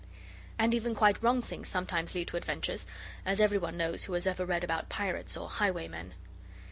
And even quite wrong things sometimes lead to adventures; as every one knows who has ever read about pirates or highwaymen.